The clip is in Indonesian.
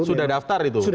sudah daftar itu